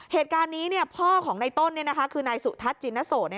เหตุการณ์นี้พ่อของในต้นคือนายสุทัศน์จินนโส